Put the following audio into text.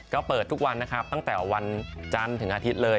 ก็เปิดทุกวันนะครับตั้งแต่วันจันทร์ถึงอาทิตย์เลย